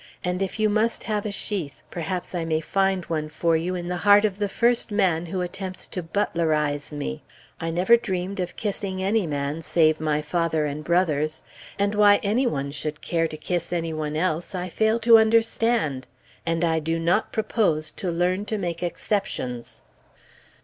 And if you must have a sheath, perhaps I may find one for you in the heart of the first man who attempts to Butlerize me. I never dreamed of kissing any man save my father and brothers. And why any one should care to kiss any one else, I fail to understand. And I do not propose to learn to make exceptions.